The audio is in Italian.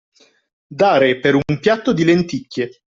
Dare per un piatto di lenticchie.